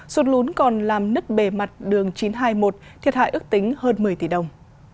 sụt lún còn làm nứt bề mặt đường chín trăm hai mươi một thiệt hại ước tính hơn một mươi tỷ đồng